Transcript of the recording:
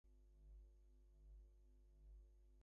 Joe", "Hypernauts", "Captain Power" and others.